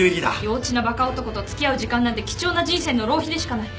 幼稚なバカ男と付き合う時間なんて貴重な人生の浪費でしかない。